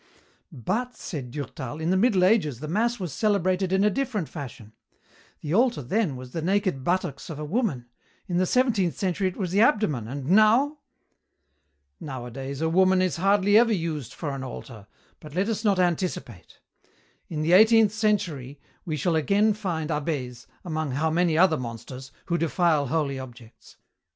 "But," said Durtal, "in the Middle Ages the mass was celebrated in a different fashion. The altar then was the naked buttocks of a woman; in the seventeenth century it was the abdomen, and now?" "Nowadays a woman is hardly ever used for an altar, but let us not anticipate. In the eighteenth century we shall again find abbés among how many other monsters who defile holy objects.